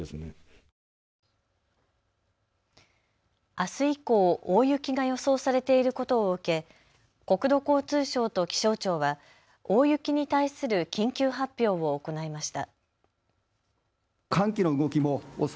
あす以降、大雪が予想されていることを受け国土交通省と気象庁は大雪に対する緊急発表を行いました。